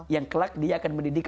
yang kelak dia akan mendidik